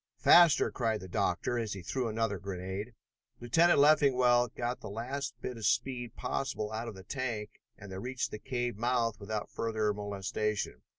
"Faster!" cried the doctor, as he threw another grenade. Lieutenant Leffingwell got the last bit of speed possible out of the tank and they reached the cave mouth without further molestation.